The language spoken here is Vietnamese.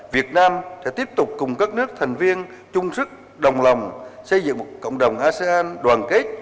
việt nam sẽ tiếp tục cùng các nước thành viên chung sức đồng lòng xây dựng một cộng đồng asean đoàn kết